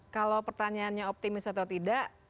kalau pertanyaannya optimis atau tidak